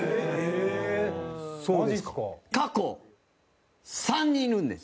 中居：過去３人いるんです。